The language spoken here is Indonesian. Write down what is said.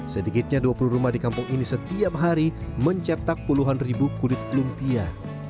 sedikitnya dua puluh rumah di kampung ini setiap hari mencetak puluhan ribu kulit lumpia